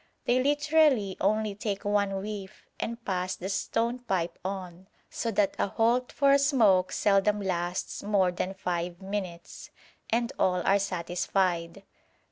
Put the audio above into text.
They literally only take one whiff and pass the stone pipe on, so that a halt for a smoke seldom lasts more than five minutes, and all are satisfied.